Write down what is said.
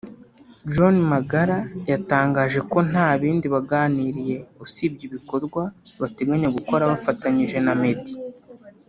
John Magara yatangaje ko nta bindi baganiriye usibye ibikorwa bateganya gukora bafatanyije na Meddy